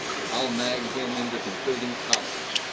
I'll nag him into completing college.